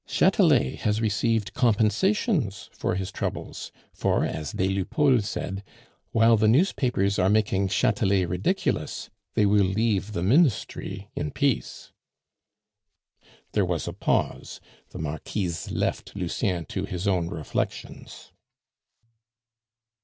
Chatelet has received compensations for his troubles; for, as des Lupeaulx said, 'While the newspapers are making Chatelet ridiculous, they will leave the Ministry in peace.'" There was a pause; the Marquise left Lucien to his own reflections.